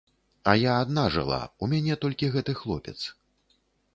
А я адна жыла, у мяне толькі гэты хлопец.